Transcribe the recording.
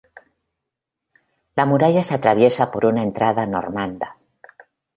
La muralla se atraviesa por una entrada normanda.